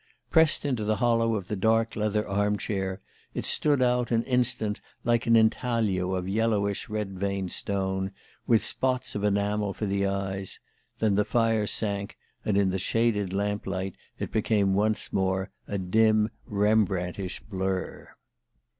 Pressed into the hollow of the dark leather armchair, it stood out an instant like an intaglio of yellowish red veined stone, with spots of enamel for the eyes; then the fire sank and in the shaded lamp light it became once more a dim Rembrandtish blur.